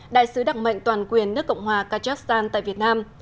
đại sứ đặc mệnh toàn quyền nước cộng hòa kazakhstan tại việt nam